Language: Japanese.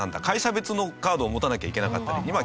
会社別のカードを持たなきゃいけなかったり。